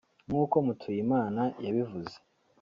nk’uko Mutuyimana yabivuze